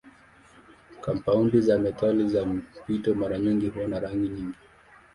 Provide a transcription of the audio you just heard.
Kampaundi za metali za mpito mara nyingi huwa na rangi nyingi.